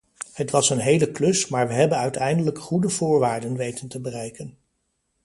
Het was een hele klus, maar we hebben uiteindelijke goede voorwaarden weten te bereiken.